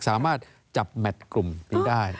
สามารถจับแมทกลุ่มนี้ได้